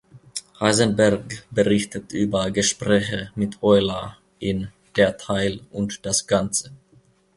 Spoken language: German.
Heisenberg berichtet über Gespräche mit Euler in "Der Teil und das Ganze.